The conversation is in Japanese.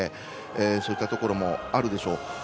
そういったところもあるでしょう。